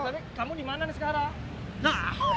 ya tapi kamu dimana nih sekarang